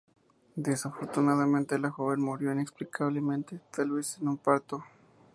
Desafortunadamente, la joven murió inexplicablemente, tal vez en un parto.